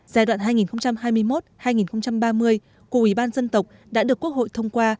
giai đoạn hai nghìn hai mươi một hai nghìn ba mươi của ủy ban dân tộc đã được quốc hội thông qua